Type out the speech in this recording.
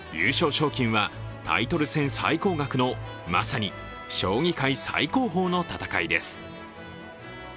賞金はタイトル戦最高額のまさに将棋界最高峰の戦いです。